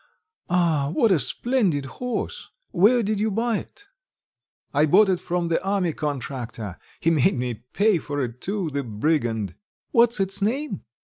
Ah, what a splendid horse! Where did you buy it?" "I bought it from the army contractor.... He made me pay for it too, the brigand!" "What's its name?"